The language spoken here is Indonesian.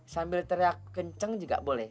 sambil teriak kenceng juga boleh